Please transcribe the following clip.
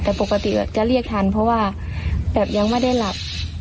แต่ปกติจะเรียกทันเพราะว่าแบบยังไม่ได้หลับ